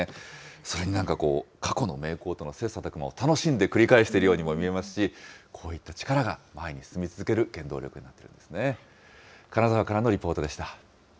それになんかこう、過去の名工との切さたく磨を楽しんで繰り返しているようにも見えますし、こういった力が前に進み続ける原動力になってるんですね。